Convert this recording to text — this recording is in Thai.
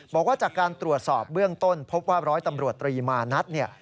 บอกว่าจากการตรวจสอบเบื้องต้นพบว่าร้อยตำรวจตรีมานัดเนี่ย